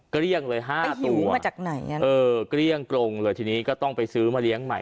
เกลี้ยงเลย๕๐มาจากไหนเออเกลี้ยงกรงเลยทีนี้ก็ต้องไปซื้อมาเลี้ยงใหม่